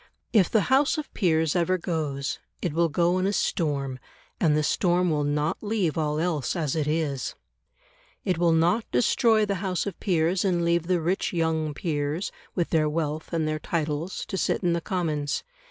If the House of Peers ever goes, it will go in a storm, and the storm will not leave all else as it is. It will not destroy the House of Peers and leave the rich young peers, with their wealth and their titles, to sit in the Commons.